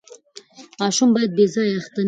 ماشوم باید بې ځایه اخته نه سي.